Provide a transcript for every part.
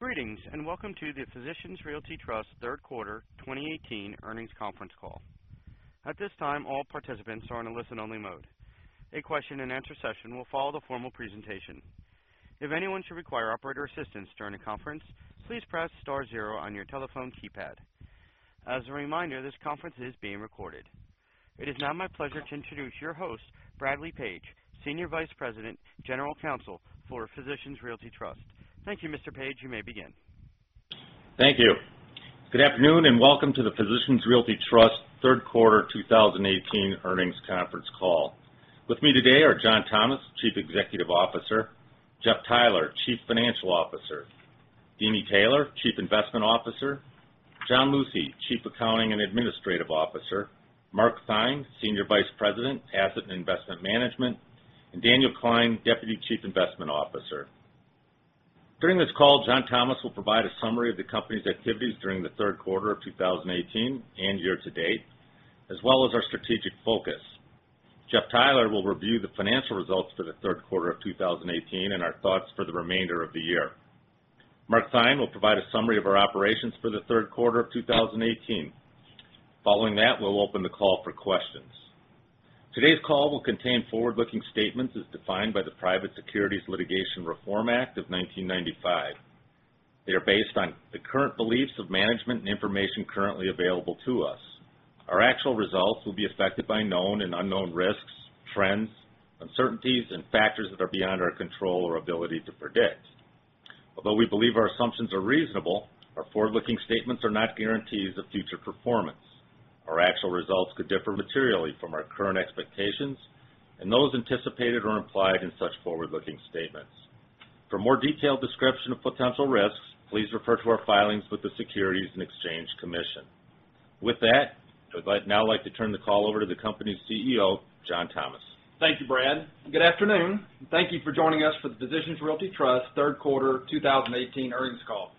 Greetings. Welcome to the Physicians Realty Trust third quarter 2018 earnings conference call. At this time, all participants are in a listen-only mode. A question and answer session will follow the formal presentation. If anyone should require operator assistance during the conference, please press star zero on your telephone keypad. As a reminder, this conference is being recorded. It is now my pleasure to introduce your host, Bradley Page, Senior Vice President, General Counsel for Physicians Realty Trust. Thank you, Mr. Page. You may begin. Thank you. Good afternoon. Welcome to the Physicians Realty Trust third quarter 2018 earnings conference call. With me today are John Thomas, Chief Executive Officer, Jeff Theiler, Chief Financial Officer, Deeni Taylor, Chief Investment Officer, John Lucey, Chief Accounting and Administrative Officer, Mark Theine, Senior Vice President, Asset and Investment Management, and Daniel Klein, Deputy Chief Investment Officer. During this call, John Thomas will provide a summary of the company's activities during the third quarter of 2018 and year-to-date, as well as our strategic focus. Jeff Theiler will review the financial results for the third quarter of 2018 and our thoughts for the remainder of the year. Mark Theine will provide a summary of our operations for the third quarter of 2018. Following that, we'll open the call for questions. Today's call will contain forward-looking statements as defined by the Private Securities Litigation Reform Act of 1995. They are based on the current beliefs of management and information currently available to us. Our actual results will be affected by known and unknown risks, trends, uncertainties, and factors that are beyond our control or ability to predict. Although we believe our assumptions are reasonable, our forward-looking statements are not guarantees of future performance. Our actual results could differ materially from our current expectations and those anticipated or implied in such forward-looking statements. For more detailed description of potential risks, please refer to our filings with the Securities and Exchange Commission. With that, I'd now like to turn the call over to the company's CEO, John Thomas. Thank you, Brad. Good afternoon. Thank you for joining us for the Physicians Realty Trust third quarter 2018 earnings call.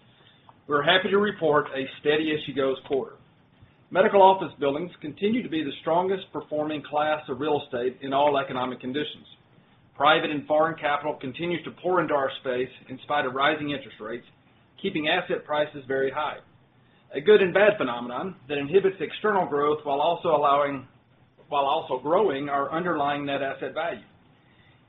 We're happy to report a steady-as-she-goes quarter. Medical office buildings continue to be the strongest performing class of real estate in all economic conditions. Private and foreign capital continues to pour into our space in spite of rising interest rates, keeping asset prices very high, a good and bad phenomenon that inhibits external growth while also growing our underlying net asset value.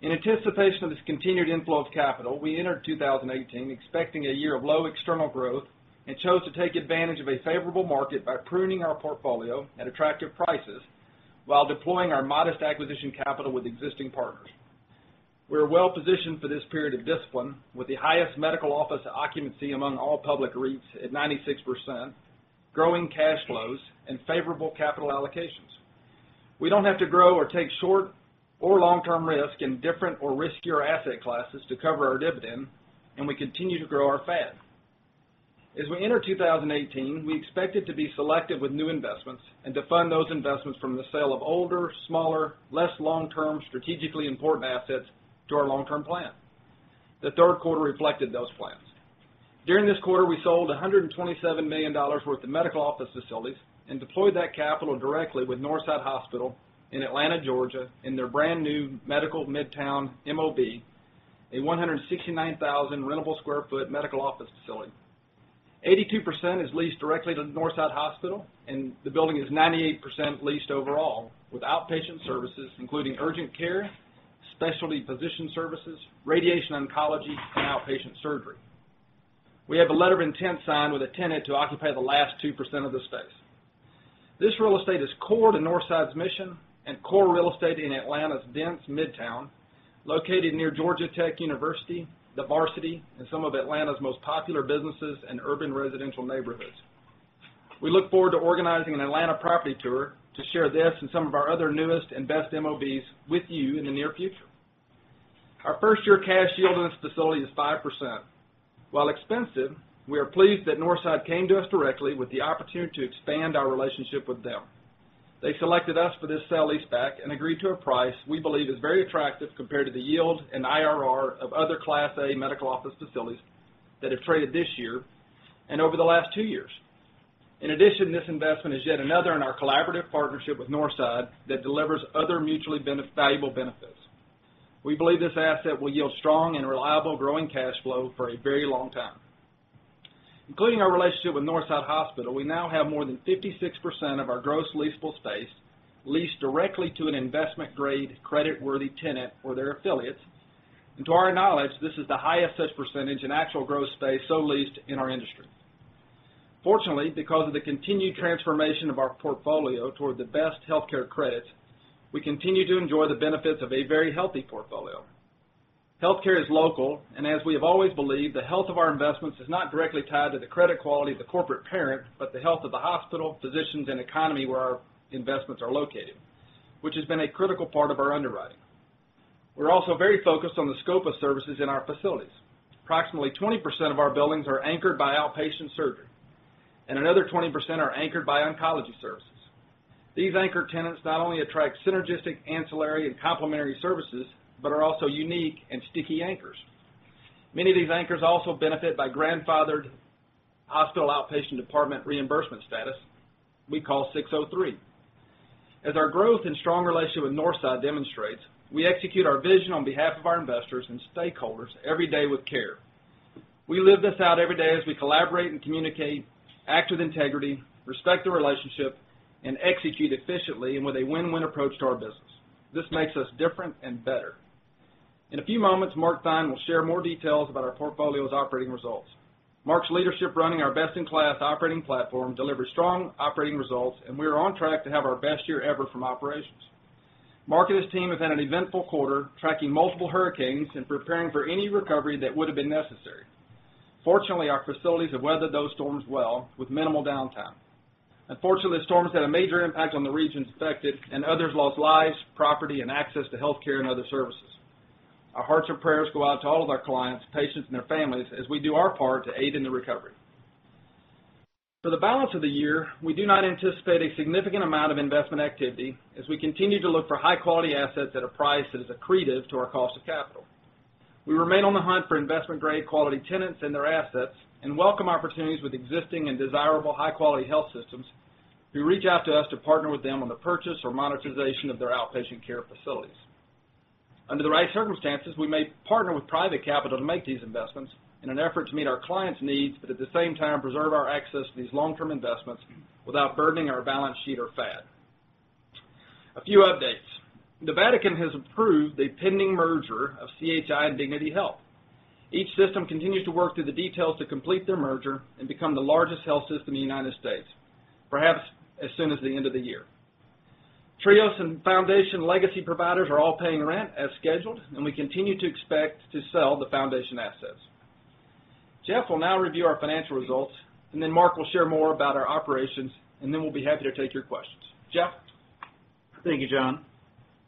In anticipation of this continued inflow of capital, we entered 2018 expecting a year of low external growth and chose to take advantage of a favorable market by pruning our portfolio at attractive prices while deploying our modest acquisition capital with existing partners. We are well-positioned for this period of discipline with the highest medical office occupancy among all public REITs at 96%, growing cash flows, and favorable capital allocations. We don't have to grow or take short or long-term risk in different or riskier asset classes to cover our dividend, and we continue to grow our FAD. As we enter 2018, we expected to be selective with new investments and to fund those investments from the sale of older, smaller, less long-term, strategically important assets to our long-term plan. The third quarter reflected those plans. During this quarter, we sold $127 million worth of medical office facilities and deployed that capital directly with Northside Hospital in Atlanta, Georgia in their brand-new Medical Midtown MOB, a 169,000 rentable square foot medical office facility. 82% is leased directly to Northside Hospital, and the building is 98% leased overall, with outpatient services including urgent care, specialty physician services, radiation oncology, and outpatient surgery. We have a letter of intent signed with a tenant to occupy the last 2% of the space. This real estate is core to Northside's mission and core real estate in Atlanta's dense Midtown, located near Georgia Tech University, The Varsity, and some of Atlanta's most popular businesses and urban residential neighborhoods. We look forward to organizing an Atlanta property tour to share this and some of our other newest and best MOBs with you in the near future. Our first-year cash yield on this facility is 5%. While expensive, we are pleased that Northside came to us directly with the opportunity to expand our relationship with them. They selected us for this sale-leaseback and agreed to a price we believe is very attractive compared to the yield and IRR of other Class A medical office facilities that have traded this year and over the last two years. In addition, this investment is yet another in our collaborative partnership with Northside that delivers other mutually valuable benefits. We believe this asset will yield strong and reliable growing cash flow for a very long time. Including our relationship with Northside Hospital, we now have more than 56% of our gross leasable space leased directly to an investment-grade, credit-worthy tenant or their affiliates. And to our knowledge, this is the highest such percentage in actual gross space so leased in our industry. Fortunately, because of the continued transformation of our portfolio toward the best healthcare credits, we continue to enjoy the benefits of a very healthy portfolio. Healthcare is local, and as we have always believed, the health of our investments is not directly tied to the credit quality of the corporate parent, but the health of the hospital, physicians, and economy where our investments are located, which has been a critical part of our underwriting. We're also very focused on the scope of services in our facilities. Approximately 20% of our buildings are anchored by outpatient surgery, and another 20% are anchored by oncology services. These anchor tenants not only attract synergistic ancillary and complementary services, but are also unique and sticky anchors. Many of these anchors also benefit by grandfathered hospital outpatient department reimbursement status we call 603. As our growth and strong relationship with Northside demonstrates, we execute our vision on behalf of our investors and stakeholders every day with care. We live this out every day as we collaborate and communicate, act with integrity, respect the relationship, and execute efficiently and with a win-win approach to our business. This makes us different and better. In a few moments, Mark Theine will share more details about our portfolio's operating results. Mark's leadership running our best-in-class operating platform delivers strong operating results, and we are on track to have our best year ever from operations. Mark and his team have had an eventful quarter, tracking multiple hurricanes and preparing for any recovery that would've been necessary. Fortunately, our facilities have weathered those storms well with minimal downtime. Unfortunately, the storms had a major impact on the regions affected, and others lost lives, property, and access to healthcare and other services. Our hearts and prayers go out to all of our clients, patients, and their families as we do our part to aid in the recovery. For the balance of the year, we do not anticipate a significant amount of investment activity, as we continue to look for high-quality assets at a price that is accretive to our cost of capital. We remain on the hunt for investment-grade quality tenants and their assets and welcome opportunities with existing and desirable high-quality health systems who reach out to us to partner with them on the purchase or monetization of their outpatient care facilities. Under the right circumstances, we may partner with private capital to make these investments in an effort to meet our clients' needs, but at the same time, preserve our access to these long-term investments without burdening our balance sheet or FAD. A few updates. The Vatican has approved the pending merger of CHI and Dignity Health. Each system continues to work through the details to complete their merger and become the largest health system in the U.S., perhaps as soon as the end of the year. Trios and Foundation legacy providers are all paying rent as scheduled, and we continue to expect to sell the Foundation assets. Jeff will now review our financial results. Mark will share more about our operations, and we'll be happy to take your questions. Jeff? Thank you, John.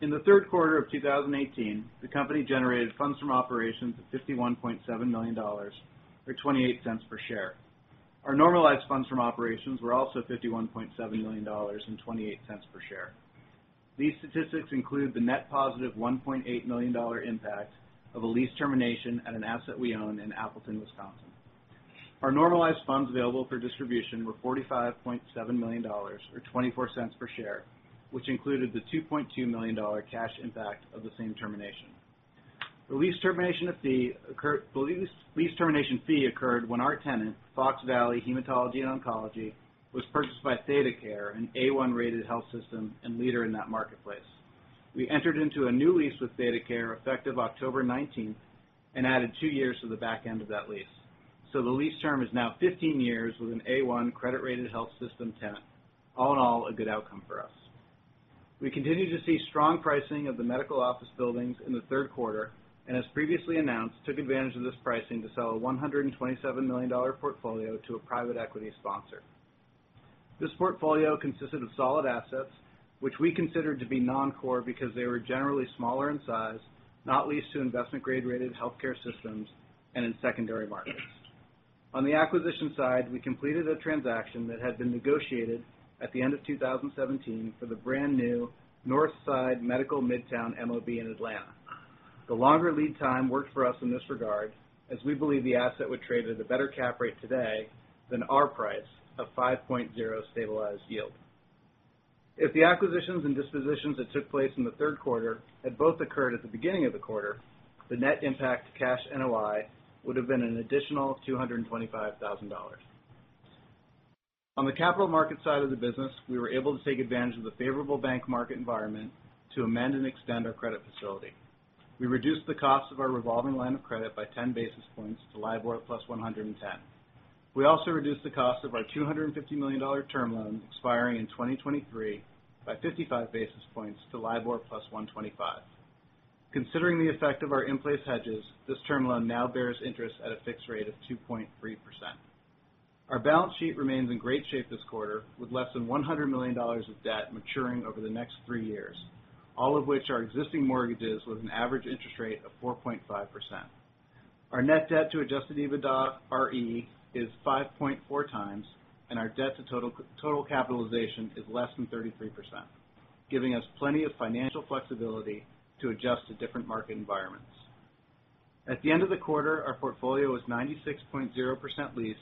In the third quarter of 2018, the company generated funds from operations of $51.7 million, or $0.28 per share. Our normalized funds from operations were also $51.7 million and $0.28 per share. These statistics include the net positive $1.8 million impact of a lease termination at an asset we own in Appleton, Wisconsin. Our normalized funds available for distribution were $45.7 million, or $0.24 per share, which included the $2.2 million cash impact of the same termination. The lease termination fee occurred when our tenant, Fox Valley Hematology & Oncology, was purchased by ThedaCare, an A1-rated health system and leader in that marketplace. We entered into a new lease with ThedaCare effective October 19th and added two years to the back end of that lease. The lease term is now 15 years with an A1 credit-rated health system tenant. All in all, a good outcome for us. We continue to see strong pricing of the medical office buildings in the third quarter, and as previously announced, took advantage of this pricing to sell a $127 million portfolio to a private equity sponsor. This portfolio consisted of solid assets, which we considered to be non-core because they were generally smaller in size, not leased to investment-grade rated healthcare systems, and in secondary markets. On the acquisition side, we completed a transaction that had been negotiated at the end of 2017 for the brand-new Northside Medical Midtown MOB in Atlanta. The longer lead time worked for us in this regard, as we believe the asset would trade at a better cap rate today than our price of 5.0 stabilized yield. If the acquisitions and dispositions that took place in the third quarter had both occurred at the beginning of the quarter, the net impact to cash NOI would've been an additional $225,000. On the capital market side of the business, we were able to take advantage of the favorable bank market environment to amend and extend our credit facility. We reduced the cost of our revolving line of credit by 10 basis points to LIBOR plus 110. We also reduced the cost of our $250 million term loan expiring in 2023 by 55 basis points to LIBOR plus 125. Considering the effect of our in-place hedges, this term loan now bears interest at a fixed rate of 2.3%. Our balance sheet remains in great shape this quarter, with less than $100 million of debt maturing over the next three years, all of which are existing mortgages with an average interest rate of 4.5%. Our net debt to adjusted EBITDAre is 5.4 times, and our debt to total capitalization is less than 33%, giving us plenty of financial flexibility to adjust to different market environments. At the end of the quarter, our portfolio was 96.0% leased,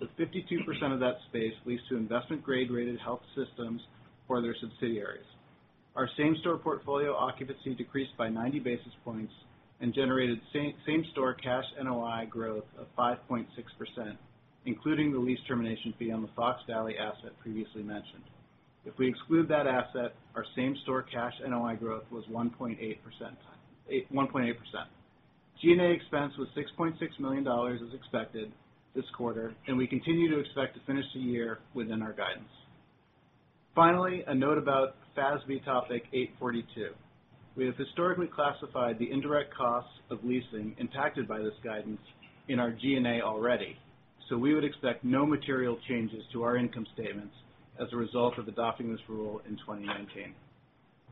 with 52% of that space leased to investment-grade rated health systems or their subsidiaries. Our same-store portfolio occupancy decreased by 90 basis points and generated same-store cash NOI growth of 5.6%, including the lease termination fee on the Fox Valley asset previously mentioned. If we exclude that asset, our same-store cash NOI growth was 1.8%. G&A expense was $6.6 million as expected this quarter, and we continue to expect to finish the year within our guidance. Finally, a note about FASB Topic 842. We have historically classified the indirect costs of leasing impacted by this guidance in our G&A already, so we would expect no material changes to our income statements as a result of adopting this rule in 2019.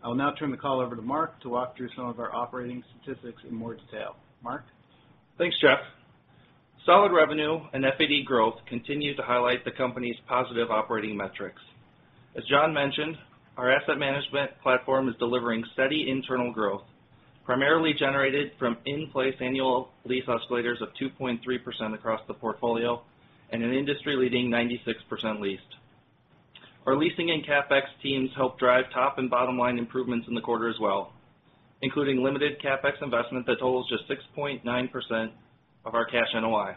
I will now turn the call over to Mark to walk through some of our operating statistics in more detail. Mark? Thanks, Jeff. Solid revenue and FAD growth continue to highlight the company's positive operating metrics. As John mentioned, our asset management platform is delivering steady internal growth Primarily generated from in-place annual lease escalators of 2.3% across the portfolio, and an industry-leading 96% leased. Our leasing and CapEx teams helped drive top and bottom-line improvements in the quarter as well, including limited CapEx investment that totals just 6.9% of our cash NOI.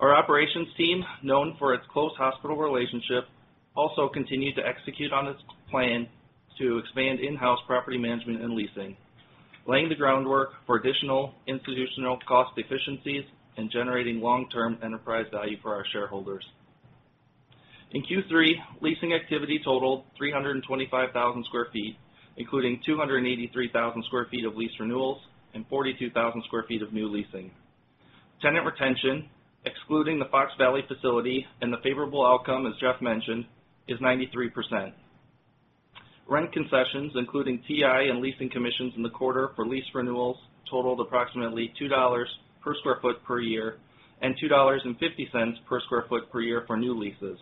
Our operations team, known for its close hospital relationship, also continued to execute on its plan to expand in-house property management and leasing, laying the groundwork for additional institutional cost efficiencies and generating long-term enterprise value for our shareholders. In Q3, leasing activity totaled 325,000 square feet, including 283,000 square feet of lease renewals and 42,000 square feet of new leasing. Tenant retention, excluding the Fox Valley facility and the favorable outcome, as Jeff mentioned, is 93%. Rent concessions, including TI and leasing commissions in the quarter for lease renewals, totaled approximately $2 per square foot per year and $2.50 per square foot per year for new leases.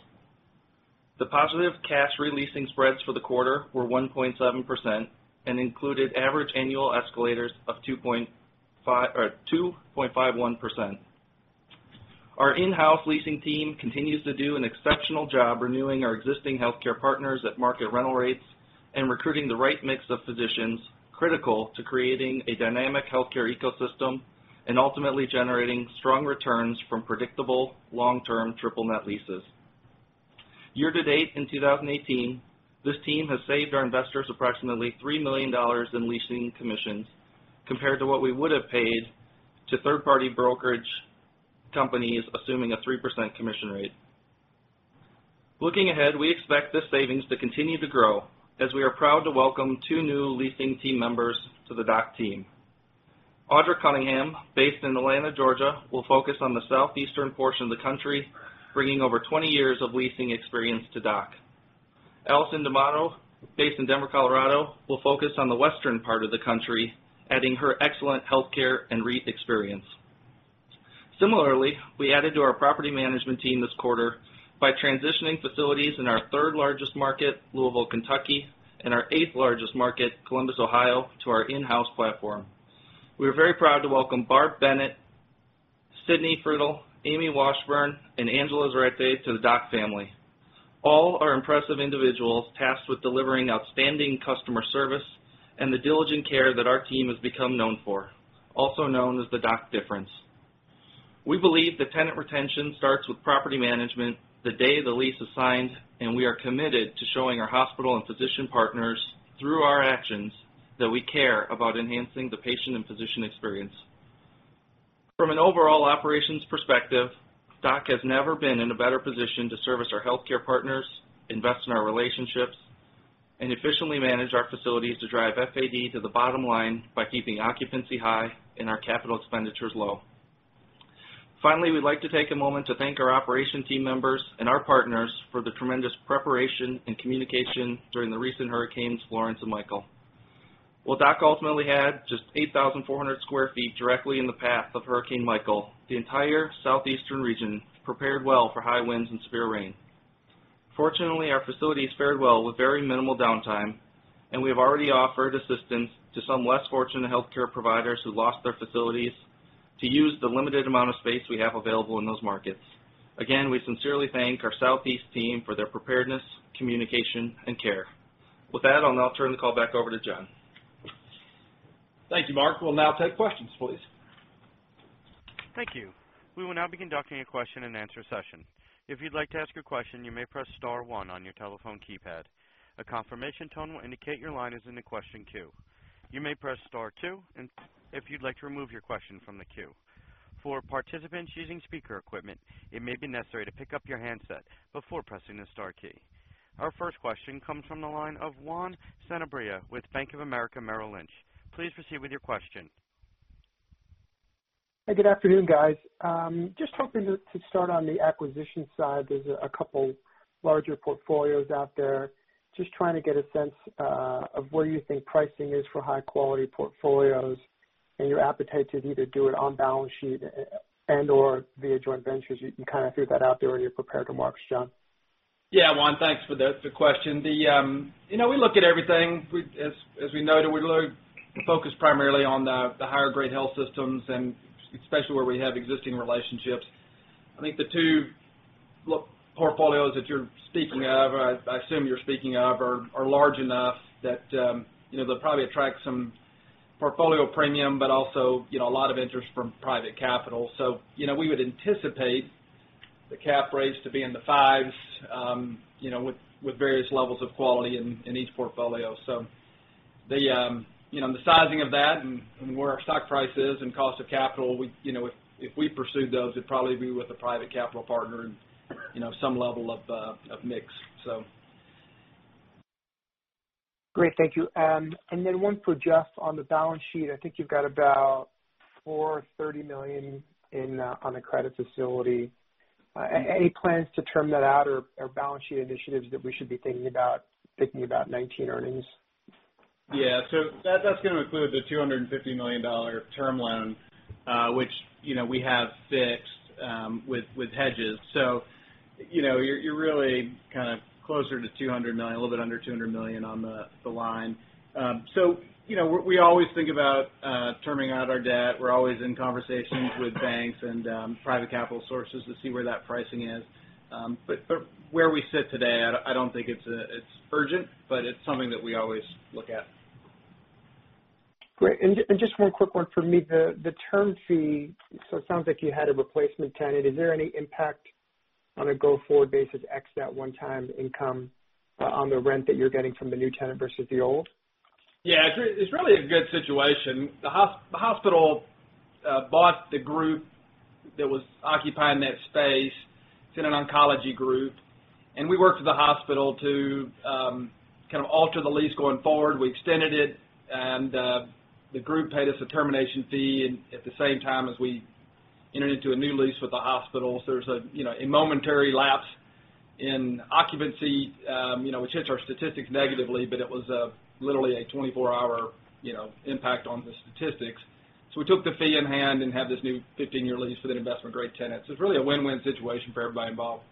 The positive cash re-leasing spreads for the quarter were 1.7% and included average annual escalators of 2.51%. Our in-house leasing team continues to do an exceptional job renewing our existing healthcare partners at market rental rates and recruiting the right mix of physicians, critical to creating a dynamic healthcare ecosystem and ultimately generating strong returns from predictable long-term triple net leases. Year-to-date in 2018, this team has saved our investors approximately $3 million in leasing commissions compared to what we would have paid to third-party brokerage companies assuming a 3% commission rate. Looking ahead, we expect this savings to continue to grow as we are proud to welcome two new leasing team members to the DOC team. Audra Cunningham, based in Atlanta, Georgia, will focus on the southeastern portion of the country, bringing over 20 years of leasing experience to DOC. Allison D'Amato, based in Denver, Colorado, will focus on the western part of the country, adding her excellent healthcare and REIT experience. Similarly, we added to our property management team this quarter by transitioning facilities in our third-largest market, Louisville, Kentucky, and our eighth-largest market, Columbus, Ohio, to our in-house platform. We are very proud to welcome Barb Bennett, Sydney Frutle, Amy Washburn, and Angela Zarate to the DOC family. All are impressive individuals tasked with delivering outstanding customer service and the diligent care that our team has become known for, also known as the DOC difference. We believe that tenant retention starts with property management the day the lease is signed, and we are committed to showing our hospital and physician partners through our actions that we care about enhancing the patient and physician experience. From an overall operations perspective, DOC has never been in a better position to service our healthcare partners, invest in our relationships, and efficiently manage our facilities to drive FAD to the bottom line by keeping occupancy high and our capital expenditures low. Finally, we'd like to take a moment to thank our operation team members and our partners for the tremendous preparation and communication during the recent hurricanes, Florence and Michael. While DOC ultimately had just 8,400 sq ft directly in the path of Hurricane Michael, the entire southeastern region prepared well for high winds and severe rain. Fortunately, our facilities fared well with very minimal downtime. We have already offered assistance to some less fortunate healthcare providers who lost their facilities to use the limited amount of space we have available in those markets. Again, we sincerely thank our southeast team for their preparedness, communication, and care. With that, I'll now turn the call back over to John. Thank you, Mark. We'll now take questions, please. Thank you. We will now be conducting a question and answer session. If you'd like to ask a question, you may press star one on your telephone keypad. A confirmation tone will indicate your line is in the question queue. You may press star two if you'd like to remove your question from the queue. For participants using speaker equipment, it may be necessary to pick up your handset before pressing the star key. Our first question comes from the line of Juan Sanabria with Bank of America Merrill Lynch. Please proceed with your question. Hey, good afternoon, guys. Just hoping to start on the acquisition side. There's a couple larger portfolios out there. Just trying to get a sense of where you think pricing is for high-quality portfolios and your appetite to either do it on balance sheet and/or via joint ventures. You can kind of figure that out there when you're prepared to Mark, John. Yeah, Juan, thanks for the question. We look at everything. As we noted, we focus primarily on the higher-grade health systems and especially where we have existing relationships. I think the two portfolios that you're speaking of, I assume you're speaking of, are large enough that they'll probably attract some portfolio premium, but also a lot of interest from private capital. We would anticipate the cap rates to be in the fives with various levels of quality in each portfolio. The sizing of that and where our stock price is and cost of capital, if we pursue those, it'd probably be with a private capital partner and some level of mix. Great. Thank you. One for Jeff on the balance sheet. I think you've got about $430 million on a credit facility. Any plans to term that out or balance sheet initiatives that we should be thinking about 2019 earnings? Yeah. That's going to include the $250 million term loan, which we have fixed with hedges. You're really closer to $200 million, a little bit under $200 million on the line. We always think about terming out our debt. We're always in conversations with banks and private capital sources to see where that pricing is. Where we sit today, I don't think it's urgent, but it's something that we always look at. Great. Just one quick one from me. The term fee, so it sounds like you had a replacement tenant. Is there any impact on a go-forward basis, ex that one-time income, on the rent that you're getting from the new tenant versus the old? Yeah. It's really a good situation. The hospital bought the group that was occupying that space. It's an oncology group. We worked with the hospital to kind of alter the lease going forward. We extended it, and the group paid us a termination fee at the same time as we entered into a new lease with the hospital. There's a momentary lapse in occupancy, which hits our statistics negatively, but it was literally a 24-hour impact on the statistics. We took the fee in hand and have this new 15-year lease with an investment-grade tenant. It's really a win-win situation for everybody involved.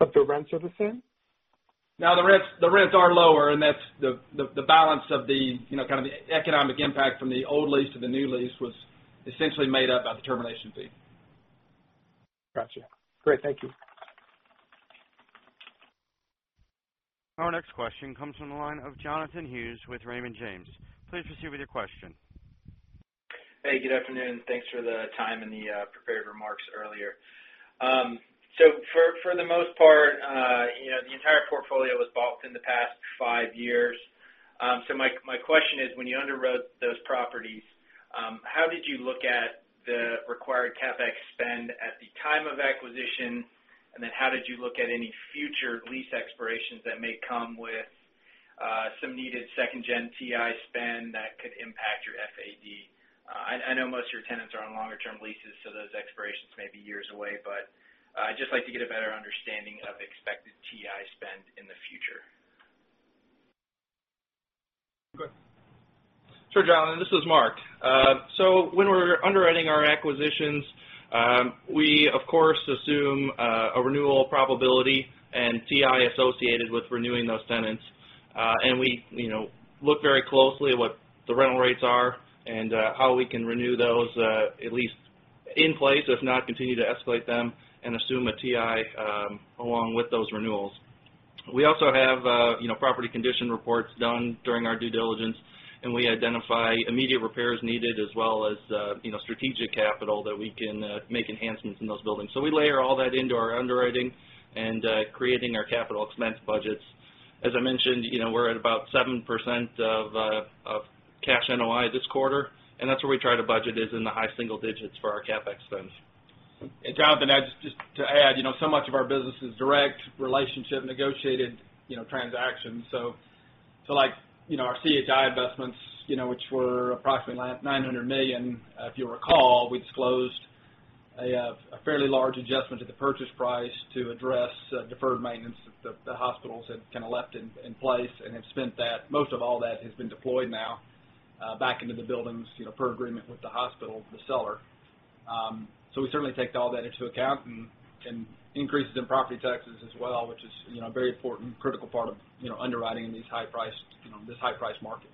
The rents are the same? No, the rents are lower, and that's the balance of the kind of the economic impact from the old lease to the new lease was essentially made up by the termination fee. Gotcha. Great. Thank you. Our next question comes from the line of Jonathan Hughes with Raymond James. Please proceed with your question. Hey, good afternoon. Thanks for the time and the prepared remarks earlier. For the most part, the entire portfolio was bought within the past five years. My question is, when you underwrote those properties, how did you look at the required CapEx spend at the time of acquisition, and then how did you look at any future lease expirations that may come with some needed second-gen TI spend that could impact your FAD? I know most of your tenants are on longer-term leases, those expirations may be years away, but I'd just like to get a better understanding of expected TI spend in the future. Sure, Jonathan. This is Mark. When we're underwriting our acquisitions, we of course assume a renewal probability and TI associated with renewing those tenants. We look very closely at what the rental rates are and how we can renew those, at least in place, if not continue to escalate them and assume a TI along with those renewals. We also have property condition reports done during our due diligence, we identify immediate repairs needed, as well as strategic capital that we can make enhancements in those buildings. We layer all that into our underwriting and creating our capital expense budgets. As I mentioned, we're at about 7% of cash NOI this quarter, and that's where we try to budget is in the high single digits for our CapEx spend. Jonathan, just to add, so much of our business is direct relationship negotiated transactions. Our CHI investments, which were approximately $900 million, if you'll recall, we disclosed a fairly large adjustment to the purchase price to address deferred maintenance that the hospitals had kind of left in place and have spent that. Most of all that has been deployed now back into the buildings, per agreement with the hospital, the seller. We certainly take all that into account and increases in property taxes as well, which is a very important, critical part of underwriting in this high-priced market.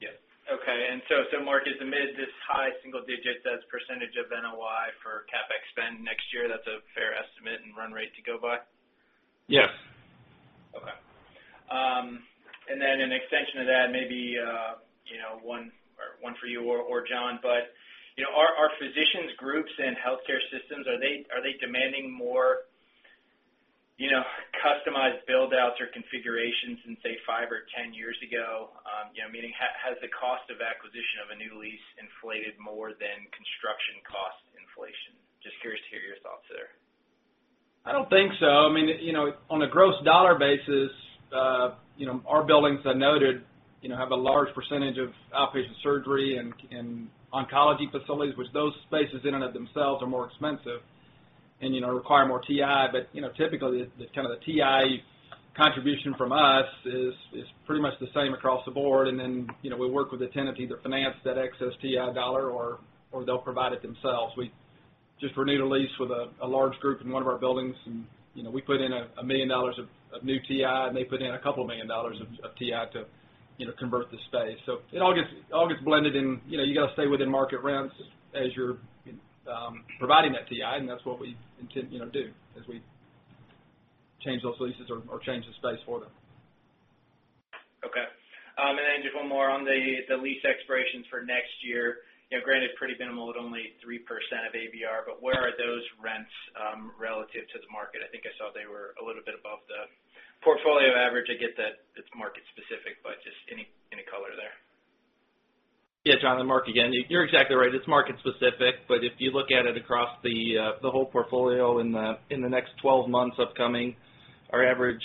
Yeah. Okay. Mark, just amid this high single digit as % of NOI for CapEx spend next year, that's a fair estimate and run rate to go by? Yes. Okay. An extension to that, maybe one for you or John, are physicians groups and healthcare systems, are they demanding more customized build-outs or configurations than, say, five or 10 years ago? Meaning, has the cost of acquisition of a new lease inflated more than construction cost inflation? Just curious to hear your thoughts there. I don't think so. On a gross dollar basis, our buildings, I noted, have a large percentage of outpatient surgery and oncology facilities, which those spaces in and of themselves are more expensive and require more TI. Typically, the kind of the TI contribution from us is pretty much the same across the board, we work with the tenant to either finance that excess TI dollar or they'll provide it themselves. We just renewed a lease with a large group in one of our buildings, and we put in $1 million of new TI, and they put in $2 million of TI to convert the space. It all gets blended in. You got to stay within market rents as you're providing that TI, and that's what we intend to do as we change those leases or change the space for them. Okay. Just one more on the lease expirations for next year. Granted, pretty minimal at only 3% of ABR, where are those rents relative to the market? I think I saw they were a little bit above the portfolio average. I get that it's market specific, but just any color there? Yeah. Jonathan, Mark again. You're exactly right. It's market specific. If you look at it across the whole portfolio in the next 12 months upcoming, our average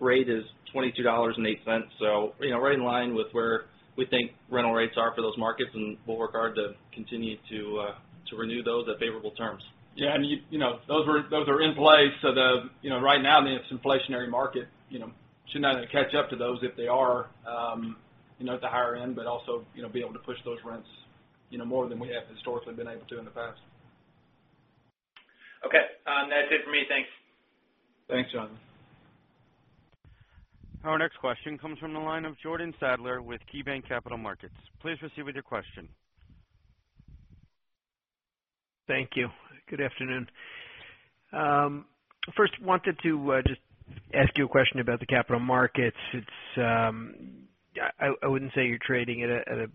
rate is $22.08. Right in line with where we think rental rates are for those markets, and we'll work hard to continue to renew those at favorable terms. Yeah. Those are in place, right now in this inflationary market, should not have to catch up to those if they are at the higher end, also be able to push those rents more than we have historically been able to in the past. Okay. That's it for me. Thanks. Thanks, Jonathan. Our next question comes from the line of Jordan Sadler with KeyBanc Capital Markets. Please proceed with your question. Thank you. Good afternoon. First, wanted to just ask you a question about the capital markets. I wouldn't say you're trading at a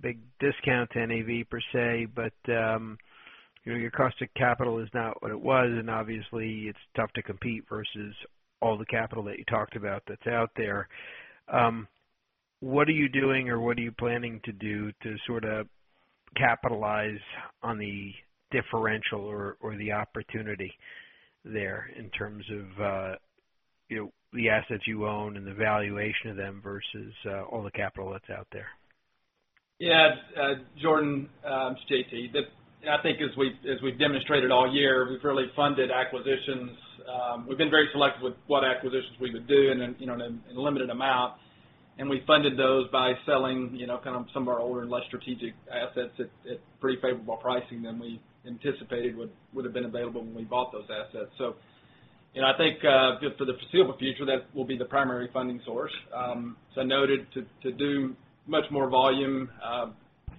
big discount to NAV per se, but your cost of capital is not what it was, and obviously it's tough to compete versus all the capital that you talked about that's out there. What are you doing or what are you planning to do to sort of capitalize on the differential or the opportunity there in terms of the assets you own and the valuation of them versus all the capital that's out there? Jordan, it's J.T. I think as we've demonstrated all year, we've really funded acquisitions. We've been very selective with what acquisitions we would do, and in a limited amount, and we funded those by selling kind of some of our older and less strategic assets at pretty favorable pricing than we anticipated would've been available when we bought those assets. I think, just for the foreseeable future, that will be the primary funding source. As I noted, to do much more volume,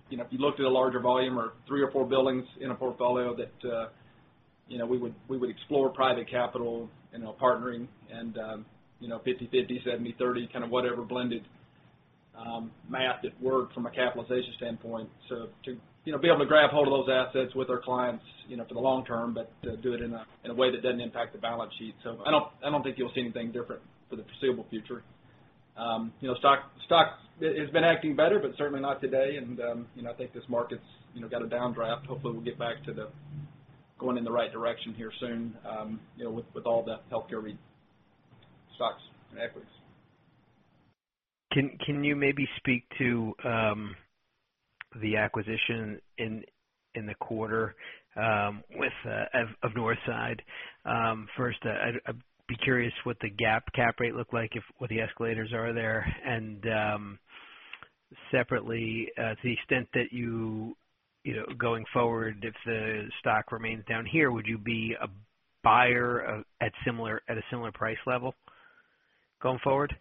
if you looked at a larger volume or three or four buildings in a portfolio that we would explore private capital, partnering and 50/50, 70/30, kind of whatever blended math that worked from a capitalization standpoint. To be able to grab hold of those assets with our clients for the long term, but do it in a way that doesn't impact the balance sheet. I don't think you'll see anything different for the foreseeable future. Stock has been acting better, but certainly not today, and I think this market's got a downdraft. Hopefully we'll get back to the going in the right direction here soon with all the healthcare stocks and equities. Can you maybe speak to the acquisition in the quarter of Northside? First, I'd be curious what the GAAP cap rate looked like, if what the escalators are there, and separately, to the extent that you, going forward, if the stock remains down here, would you be a buyer at a similar price level going forward?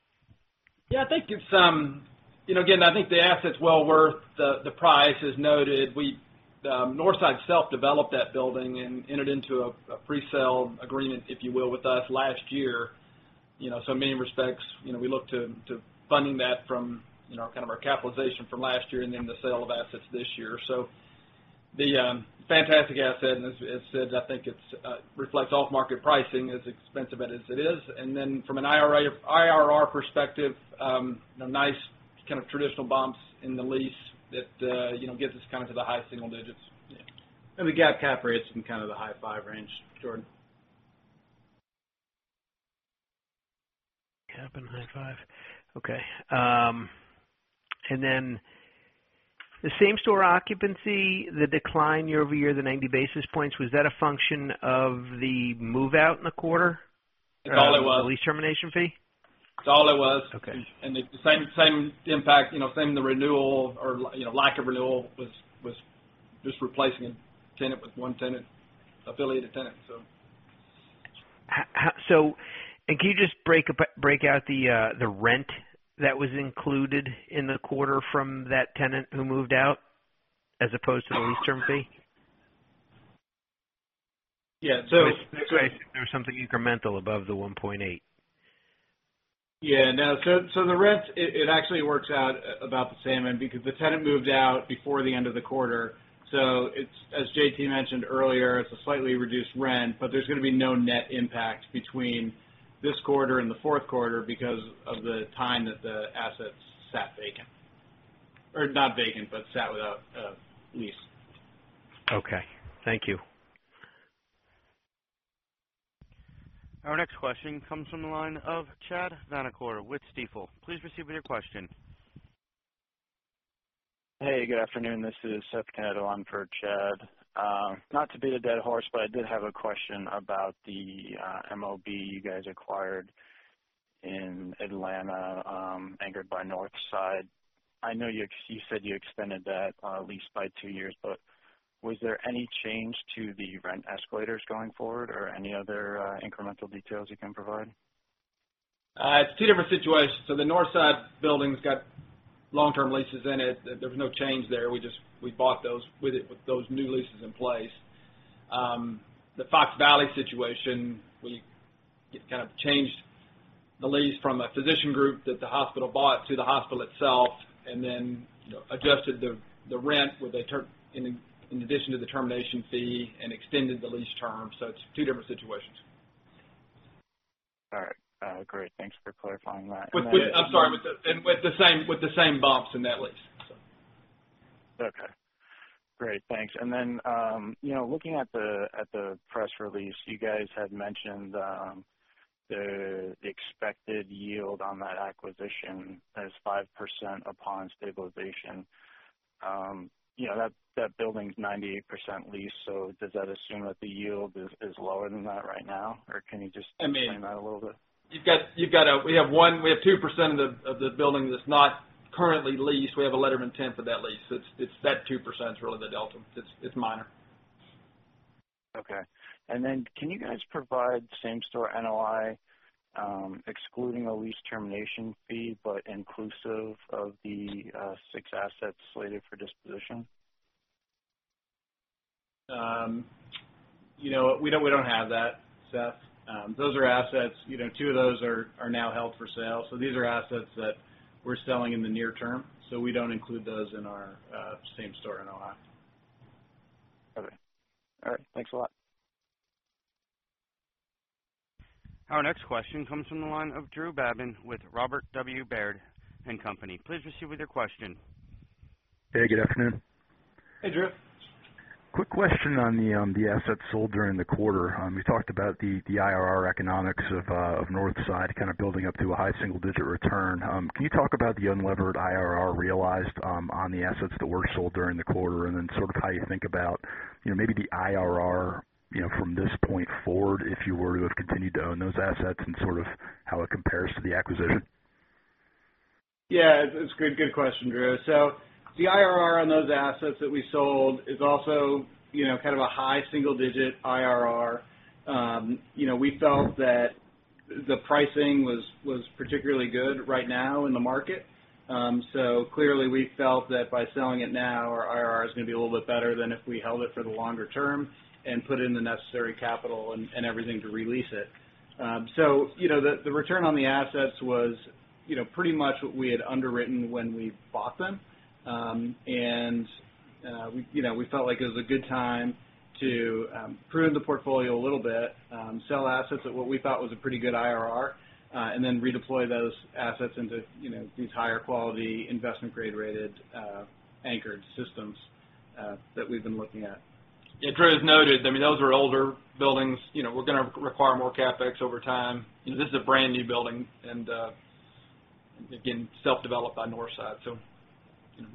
Again, I think the asset's well worth the price. As noted, Northside self-developed that building and entered into a pre-sale agreement, if you will, with us last year. In many respects, we look to funding that from kind of our capitalization from last year and then the sale of assets this year. The fantastic asset, and as said, I think it reflects off-market pricing as expensive as it is. From an IRR perspective, nice kind of traditional bumps in the lease that gets us kind of to the high single digits. The GAAP cap rate's in kind of the high five range, Jordan. Cap rate in high five. Okay. The same store occupancy, the decline year-over-year, the 90 basis points, was that a function of the move-out in the quarter? That's all it was. The lease termination fee? That's all it was. Okay. The same impact, same the renewal or lack of renewal was just replacing a tenant with one tenant, affiliated tenant. Can you just break out the rent that was included in the quarter from that tenant who moved out as opposed to the lease term fee? Yeah. There's something incremental above the 1.8. Yeah, no. The rent, it actually works out about the same because the tenant moved out before the end of the quarter. It's, as JT mentioned earlier, it's a slightly reduced rent, but there's gonna be no net impact between this quarter and the fourth quarter because of the time that the assets sat vacant, or not vacant, but sat without a lease. Okay. Thank you. Our next question comes from the line of Chad Vanacore with Stifel. Please proceed with your question. Hey, good afternoon, this is Jesse Nadel on for Chad. Not to beat a dead horse, I did have a question about the MOB you guys acquired in Atlanta, anchored by Northside. I know you said you extended that lease by two years, was there any change to the rent escalators going forward or any other incremental details you can provide? It's two different situations. The Northside building's got long-term leases in it. There was no change there. We bought those with those new leases in place. The Fox Valley situation, we kind of changed the lease from a physician group that the hospital bought to the hospital itself, adjusted the rent in addition to the termination fee and extended the lease term. It's two different situations. All right. Great. Thanks for clarifying that. I'm sorry. With the same bumps in that lease. Okay. Great. Thanks. Looking at the press release, you guys had mentioned the expected yield on that acquisition as 5% upon stabilization. That building is 98% leased. Does that assume that the yield is lower than that right now? Can you just? I mean. Explain that a little bit? We have 2% of the building that's not currently leased. We have a letter of intent for that lease. It's that 2% is really the delta. It's minor. Okay. Can you guys provide same-store NOI, excluding a lease termination fee, but inclusive of the 6 assets slated for disposition? We don't have that, Seth. Those are assets, two of those are now held for sale. These are assets that we're selling in the near term. We don't include those in our same-store NOI. Okay. All right. Thanks a lot. Our next question comes from the line of Andrew Babin with Robert W. Baird & Co.. Please proceed with your question. Hey, good afternoon. Hey, Drew. Quick question on the assets sold during the quarter. You talked about the IRR economics of Northside kind of building up to a high single-digit return. Can you talk about the unlevered IRR realized on the assets that were sold during the quarter, and then sort of how you think about maybe the IRR from this point forward, if you were to have continued to own those assets, and sort of how it compares to the acquisition? Yeah, it's a good question, Drew. The IRR on those assets that we sold is also kind of a high single-digit IRR. We felt that the pricing was particularly good right now in the market. Clearly we felt that by selling it now, our IRR is going to be a little bit better than if we held it for the longer term and put in the necessary capital and everything to re-lease it. The return on the assets was pretty much what we had underwritten when we bought them. We felt like it was a good time to prune the portfolio a little bit, sell assets at what we thought was a pretty good IRR, and then redeploy those assets into these higher quality investment-grade rated anchored systems that we've been looking at. Drew, as noted, those were older buildings, were going to require more CapEx over time. This is a brand-new building, and again, self-developed by Northside, so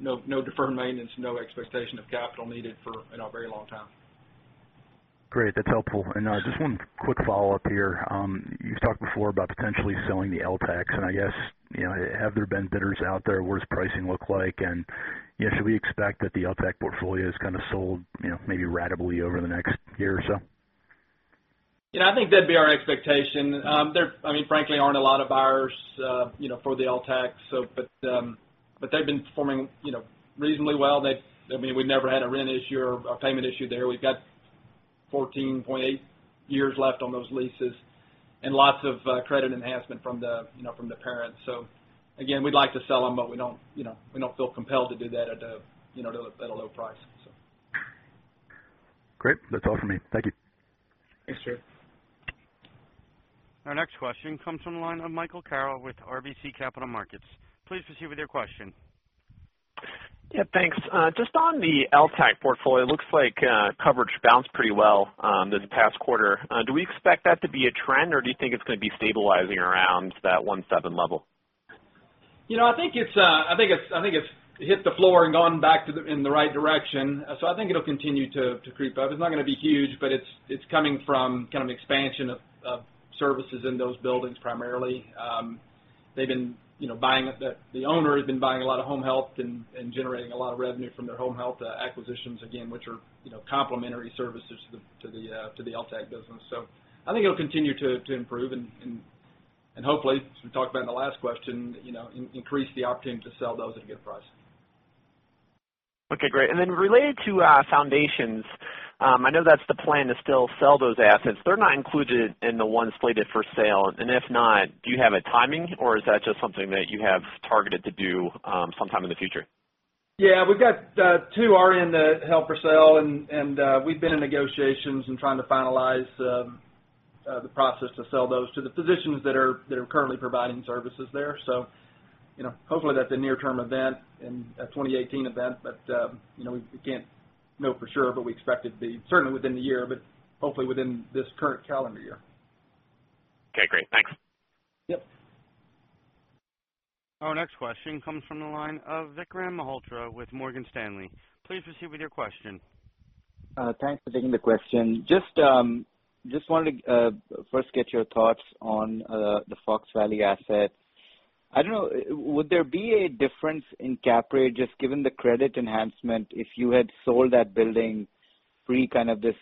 no deferred maintenance, no expectation of capital needed for a very long time. Great. That's helpful. Just one quick follow-up here. You've talked before about potentially selling the LTACs, and I guess, have there been bidders out there? What does pricing look like? Should we expect that the LTAC portfolio is kind of sold maybe ratably over the next year or so? I think that'd be our expectation. There, frankly, aren't a lot of buyers for the LTACs. They've been performing reasonably well. We've never had a rent issue or a payment issue there. We've got 14.8 years left on those leases and lots of credit enhancement from the parents. Again, we'd like to sell them, but we don't feel compelled to do that at a low price, so Great. That's all for me. Thank you. Thanks, Drew. Our next question comes from the line of Michael Carroll with RBC Capital Markets. Please proceed with your question. Thanks. Just on the LTAC portfolio, it looks like coverage bounced pretty well this past quarter. Do we expect that to be a trend, or do you think it's going to be stabilizing around that one seven level? I think it's hit the floor and gone back in the right direction. I think it'll continue to creep up. It's not going to be huge, but it's coming from kind of expansion of services in those buildings, primarily. The owner has been buying a lot of home health and generating a lot of revenue from their home health acquisitions, again, which are complementary services to the LTAC business. I think it'll continue to improve and hopefully, as we talked about in the last question, increase the opportunity to sell those at a good price. Okay, great. then related to Foundation, I know that's the plan to still sell those assets. They're not included in the ones slated for sale. if not, do you have a timing, or is that just something that you have targeted to do sometime in the future? Yeah. We've got two RN that help for sale, and we've been in negotiations and trying to finalize the process to sell those to the physicians that are currently providing services there. hopefully that's a near-term event and a 2018 event, but we can't know for sure, but we expect it to be certainly within the year, but hopefully within this current calendar year. Okay, great. Thanks. Yep. Our next question comes from the line of Vikram Malhotra with Morgan Stanley. Please proceed with your question. Thanks for taking the question. Just wanted to first get your thoughts on the Fox Valley asset. I don't know, would there be a difference in cap rate just given the credit enhancement if you had sold that building pre kind of the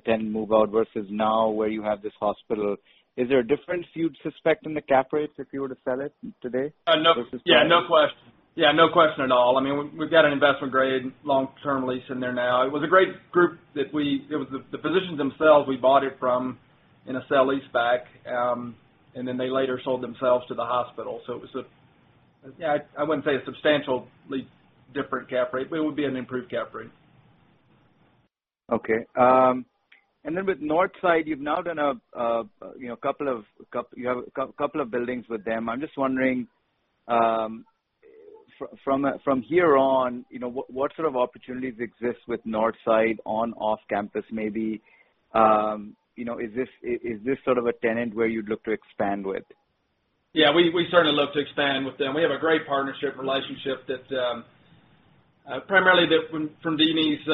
tenant move-out versus now where you have this hospital? Is there a difference you'd suspect in the cap rates if you were to sell it today versus- Yeah, no question at all. We've got an investment-grade long-term lease in there now. It was a great group. The physicians themselves, we bought it from in a sale-leaseback, and then they later sold themselves to the hospital. It was a, I wouldn't say a substantially different cap rate, but it would be an improved cap rate. Okay. With Northside, you've now done a couple of buildings with them. I'm just wondering, from here on, what sort of opportunities exist with Northside on off-campus maybe? Is this sort of a tenant where you'd look to expand with? Yeah, we'd certainly love to expand with them. We have a great partnership relationship, primarily from Deeni's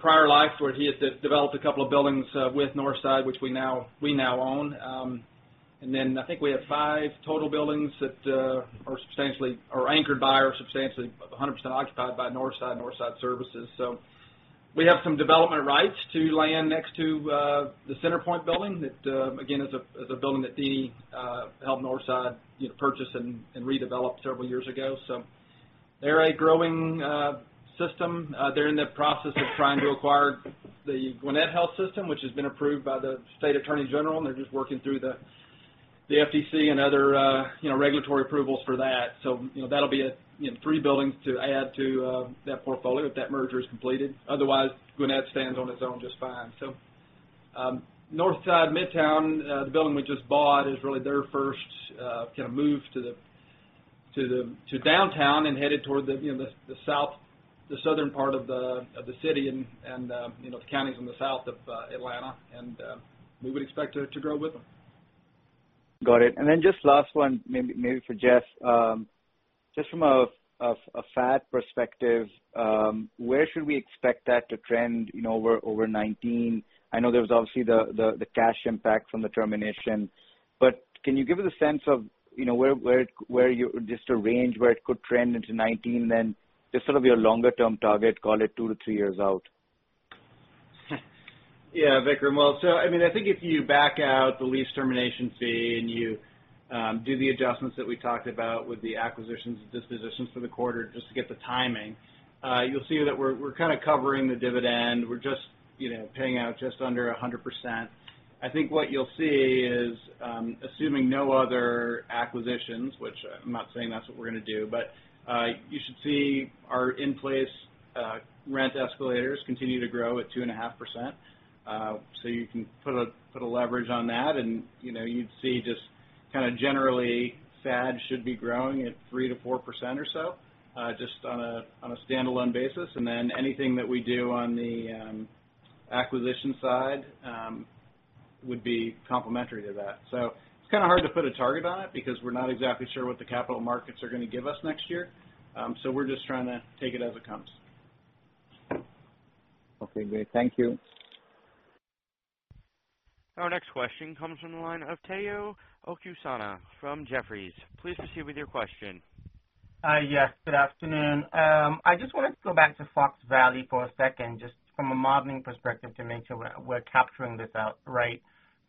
prior life, where he has developed a couple of buildings with Northside, which we now own. I think we have five total buildings that are anchored by, or substantially 100% occupied by Northside services. We have some development rights to land next to the Centerpoint building that, again, is a building that Deeni helped Northside purchase and redevelop several years ago. They're a growing system. They're in the process of trying to acquire the Gwinnett Health System, which has been approved by the State Attorney General, and they're just working through the FTC and other regulatory approvals for that. That'll be three buildings to add to that portfolio if that merger is completed. Otherwise, Gwinnett stands on its own just fine. Northside Midtown, the building we just bought, is really their first move to Downtown and headed toward the southern part of the city and those counties on the south of Atlanta, and we would expect to grow with them. Got it. Then just last one, maybe for Jeff. From a FAD perspective, where should we expect that to trend over 2019? I know there was obviously the cash impact from the termination, but can you give us a sense of just a range where it could trend into 2019, then just sort of your longer-term target, call it two to three years out? Yeah, Vikram. I think if you back out the lease termination fee and you do the adjustments that we talked about with the acquisitions and dispositions for the quarter, just to get the timing, you'll see that we're kind of covering the dividend. We're just paying out just under 100%. I think what you'll see is, assuming no other acquisitions, which I'm not saying that's what we're going to do, but you should see our in-place rent escalators continue to grow at 2.5%. You can put a leverage on that and you'd see just kind of generally, FAD should be growing at 3%-4% or so, just on a standalone basis. Then anything that we do on the acquisition side would be complementary to that. It's kind of hard to put a target on it, because we're not exactly sure what the capital markets are going to give us next year. We're just trying to take it as it comes. Okay, great. Thank you. Our next question comes from the line of Tayo Okusanya from Jefferies. Please proceed with your question. Yes, good afternoon. I just wanted to go back to Fox Valley for a second, just from a modeling perspective, to make sure we're capturing this out right.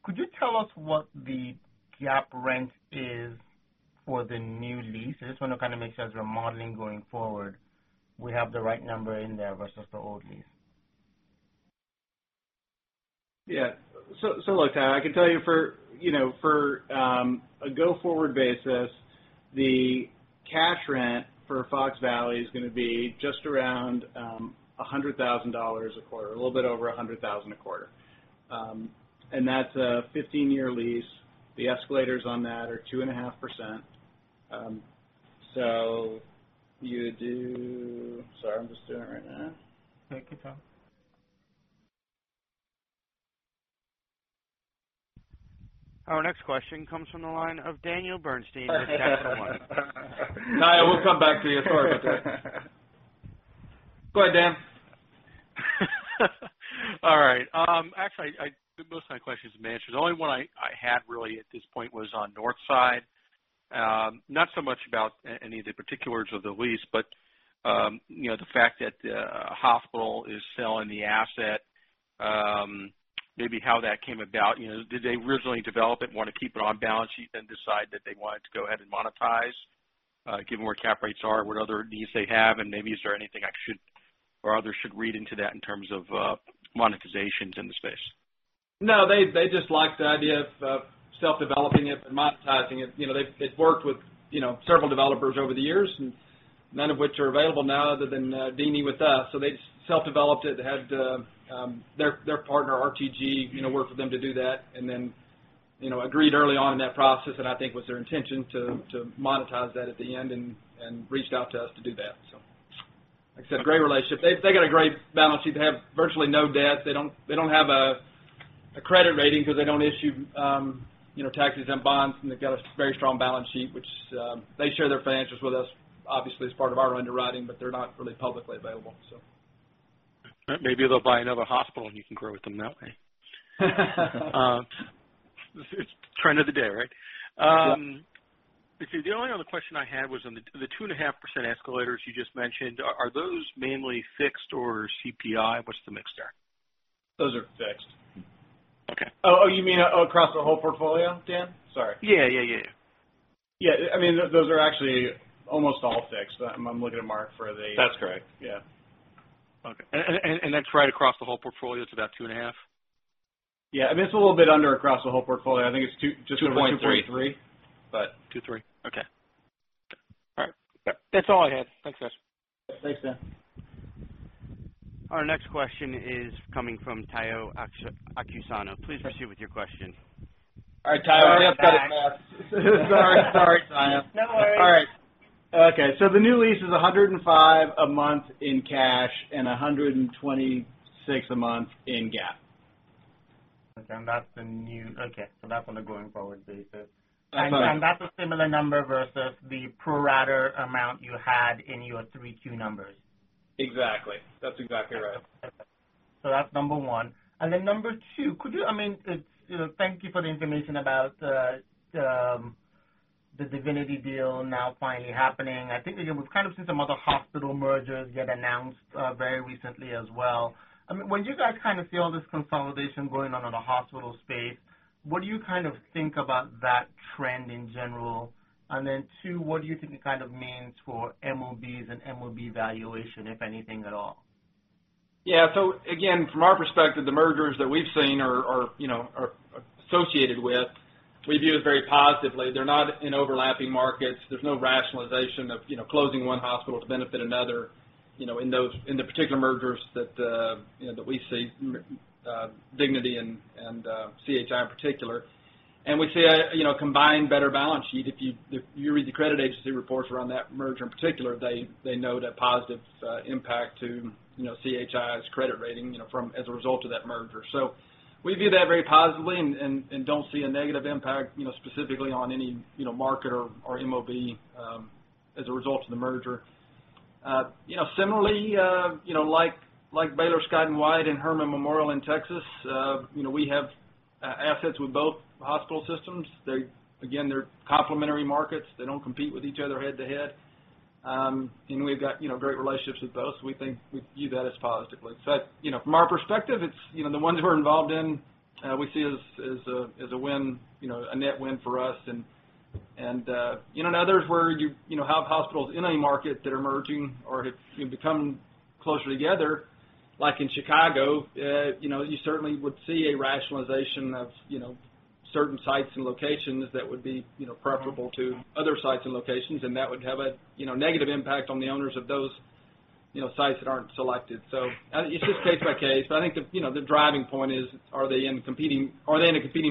Could you tell us what the GAAP rent is for the new lease? I just want to kind of make sure as we're modeling going forward, we have the right number in there versus the old lease. Look, Tayo, I can tell you for a go-forward basis, the cash rent for Fox Valley is going to be just around $100,000 a quarter, a little bit over $100,000 a quarter. And that's a 15-year lease. The escalators on that are 2.5%. You do Sorry, I'm just doing it right now. That's okay, pal. Our next question comes from the line of Daniel Bernstein with Capital One. No, we'll come back to you. Sorry about that. Go ahead, Dan. All right. Actually, I think most of my questions have been answered. The only one I had really at this point was on Northside. Not so much about any of the particulars of the lease, but the fact that a hospital is selling the asset, maybe how that came about. Did they originally develop it and want to keep it on balance sheet, decide that they wanted to go ahead and monetize? Given where cap rates are, what other needs they have, and maybe is there anything I should or others should read into that in terms of monetizations in the space? No, they just liked the idea of self-developing it and monetizing it. They've worked with several developers over the years, none of which are available now other than Deeni with us. They just self-developed it. They had their partner, RTG, work with them to do that, agreed early on in that process, and I think was their intention to monetize that at the end, reached out to us to do that. Like I said, great relationship. They got a great balance sheet. They have virtually no debt. They don't have a credit rating because they don't issue taxes and bonds, they've got a very strong balance sheet. They share their financials with us, obviously, as part of our underwriting, but they're not really publicly available. Maybe they'll buy another hospital and you can grow with them that way. It's trend of the day, right? Yeah. The only other question I had was on the 2.5% escalators you just mentioned. Are those mainly fixed or CPI? What's the mix there? Those are fixed. Okay. Oh, you mean across the whole portfolio, Dan? Sorry. Yeah. Yeah. Those are actually almost all fixed. I'm looking at Mark. That's correct. Yeah. Okay. That's right across the whole portfolio, it's about two and a half? Yeah, it's a little bit under across the whole portfolio. 2.3 over 2.3. 2.3. Okay. All right. That's all I had. Thanks, guys. Thanks, Dan. Our next question is coming from Tayo Okusanya. Please proceed with your question. All right, Tayo. Sorry, I've got it mapped. Sorry. Okay. The new lease is $105 a month in cash and $126 a month in GAAP. Okay. That's on a going forward basis. That's right. That's a similar number versus the pro rata amount you had in your three-Q numbers? Exactly. That's exactly right. Okay. That's number one. Number two, thank you for the information about the Dignity deal now finally happening. I think we've kind of seen some other hospital mergers get announced very recently as well. When you guys feel this consolidation going on in the hospital space, what do you think about that trend in general? Two, what do you think it means for MOBs and MOB valuation, if anything at all? Yeah. Again, from our perspective, the mergers that we've seen or are associated with, we view as very positively. They're not in overlapping markets. There's no rationalization of closing one hospital to benefit another, in the particular mergers that we see, Dignity and CHI in particular. We see a combined better balance sheet. If you read the credit agency reports around that merger in particular, they know the positive impact to CHI's credit rating, as a result of that merger. We view that very positively and don't see a negative impact, specifically on any market or MOB, as a result of the merger. Similarly, like Baylor Scott & White and Memorial Hermann in Texas, we have assets with both hospital systems. Again, they're complementary markets. They don't compete with each other head-to-head. We've got great relationships with both. We view that as positively. From our perspective, the ones we're involved in, we see as a net win for us and others where you have hospitals in a market that are merging or have become closer together, like in Chicago, you certainly would see a rationalization of certain sites and locations that would be preferable to other sites and locations, and that would have a negative impact on the owners of those sites that aren't selected. It's just case by case, I think the driving point is, are they in a competing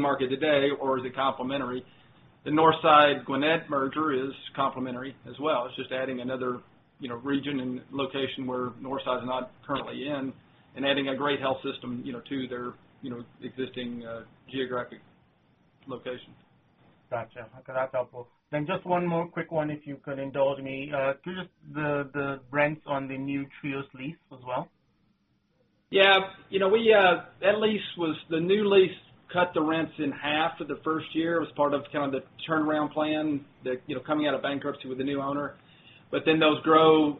market today, or is it complementary? The Northside-Gwinnett merger is complementary as well. It's just adding another region and location where Northside's not currently in and adding a great health system to their existing geographic locations. Gotcha. Okay, that's helpful. Just one more quick one, if you could indulge me. Could you just, the rents on the new Trios lease as well? Yeah. The new lease cut the rents in half for the first year. It was part of kind of the turnaround plan, coming out of bankruptcy with a new owner. Those grow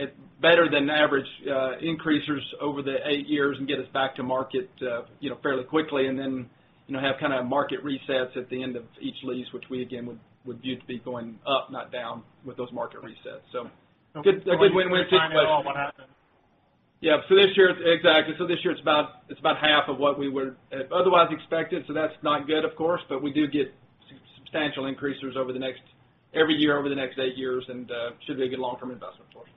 at better than average increases over the eight years and get us back to market fairly quickly and then have kind of market resets at the end of each lease, which we again would view to be going up, not down, with those market resets. A good win-win situation. Any timing on when that happens? Yeah. Exactly. This year, it's about half of what we would have otherwise expected. That's not good, of course, but we do get substantial increases every year over the next eight years and should be a good long-term investment for us.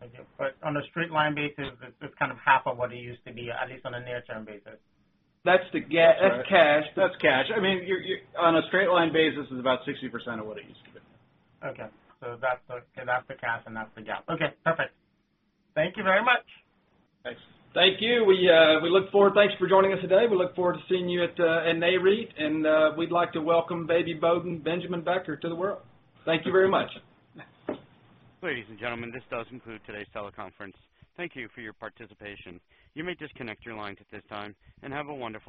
Thank you. On a straight line basis, it's kind of half of what it used to be, at least on a near-term basis. That's cash. On a straight line basis, it's about 60% of what it used to be. Okay. That's the cash and that's the GAAP. Okay, perfect. Thank you very much. Thanks. Thank you. Thanks for joining us today. We look forward to seeing you at Nareit, and we'd like to welcome baby Bowden Benjamin Becker to the world. Thank you very much. Ladies and gentlemen, this does conclude today's teleconference. Thank you for your participation. You may disconnect your lines at this time, and have a wonderful day.